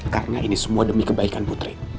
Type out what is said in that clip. karena ini semua demi kebaikan putri